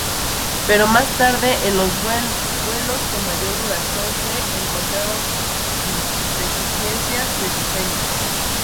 Pero más tarde, en los vuelos con mayor duración, se encontraron deficiencias de diseño.